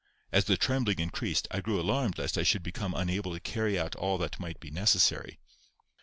As the trembling increased, I grew alarmed lest I should become unable to carry out all that might be necessary.